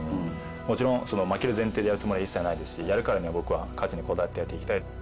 もちろん負ける前提でやるつもりは一切ないですし、やるからには僕は勝ちにこだわってやっていきたい。